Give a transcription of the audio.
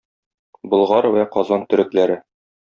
Болгар вә Казан төрекләре.